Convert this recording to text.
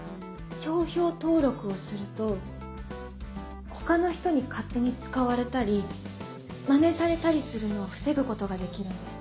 商標登録をすると他の人に勝手に使われたりマネされたりするのを防ぐことができるんです。